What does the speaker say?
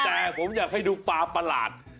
แต่ผมอยากให้ดูปลาประหลาด